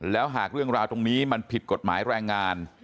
แล้วหากเรื่องราวตรงนี้มันผิดกฎหมายแรงงาน